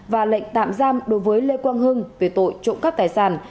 và lệnh tạm giam đối với lê quang hưng về tội trụng cấp tài sản